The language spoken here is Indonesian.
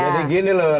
jadi gini loh